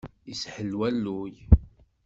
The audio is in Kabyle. Ishel walluy.